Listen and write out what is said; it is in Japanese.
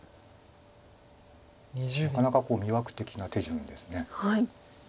なかなかこう魅惑的な手順です。